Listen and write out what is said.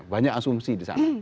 banyak asumsi di sana